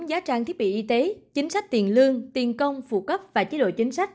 giá trang thiết bị y tế chính sách tiền lương tiền công phụ cấp và chế độ chính sách